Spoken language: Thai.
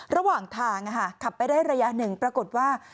ระหว่างทางขับไปได้ระยะหนึ่งปรากฏว่า